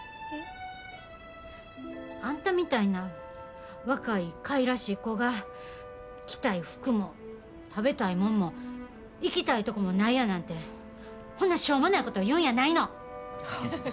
えっ？あんたみたいな若いかいらしい子が着たい服も食べたいもんも行きたいとこもないやなんてほんなしょうもないこと言うんやないの！